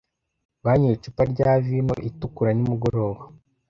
Banyoye icupa rya vino itukura nimugoroba.